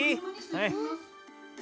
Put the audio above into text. はい。